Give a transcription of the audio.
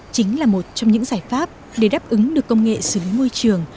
chính là một trong những giải pháp để đáp ứng được công nghệ xử lý môi trường